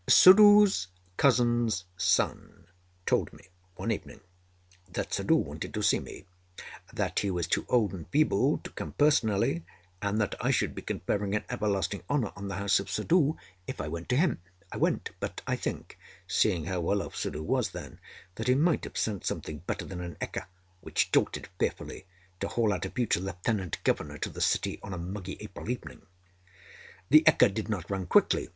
Suddhoo's cousin's son told me, one evening, that Suddhoo wanted to see me; that he was too old and feeble to come personally, and that I should be conferring an everlasting honor on the House of Suddhoo if I went to him. I went; but I think, seeing how well off Suddhoo was then, that he might have sent something better than an ekka, which jolted fearfully, to haul out a future Lieutenant Governor to the City on a muggy April evening. The ekka did not run quickly.